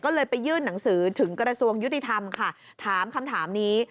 ก็เลยไปยื่นหนังสือถึงกระทรวงยุติธรรมค่ะถามคำถามนี้